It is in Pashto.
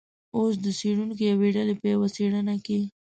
اوس د څیړونکو یوې ډلې په یوه څیړنه کې